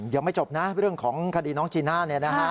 ยังไม่จบนะเรื่องของคดีน้องจีน่าเนี่ยนะฮะ